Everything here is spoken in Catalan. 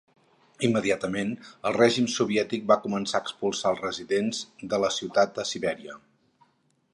Immediatament, el règim soviètic va començar a expulsar els residents de la ciutat a Sibèria.